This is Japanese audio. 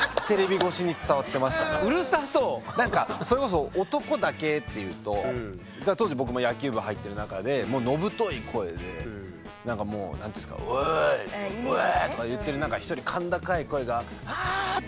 なんかそれこそ男だけっていうと当時僕も野球部入ってる中で野太い声でなんかもうなんていうんですか「おい！」とか「おお！」とか言ってる中１人甲高い声が「ああ！」って